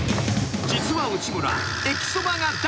［実は内村］